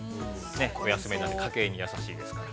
お安めなんで、家計に優しいですから。